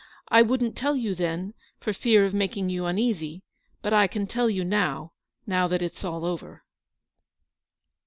I wouldn't tell you then, for fear of making you uneasy ; but I can tell you now, now that it's all over."